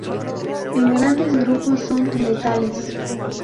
En grandes grupos son letales.